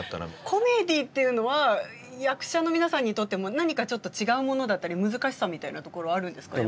コメディーっていうのは役者の皆さんにとっても何かちょっと違うものだったり難しさみたいなところあるんですか？